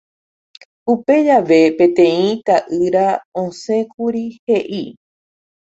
Upe jave peteĩ ita'ýra osẽkuri he'i